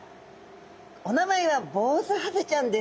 お名前はボウズハゼちゃんです。